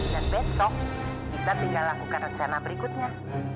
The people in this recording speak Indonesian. dan besok kita tinggal lakukan rencana berikutnya